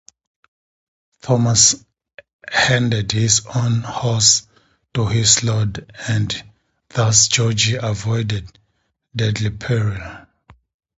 Thomas handed his own horse to his lord and thus George avoided "deadly peril".